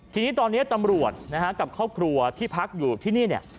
ทีนี้ตอนนี้ตำรวจนะฮะกับครอบครัวที่พักอยู่ที่นี่เนี่ย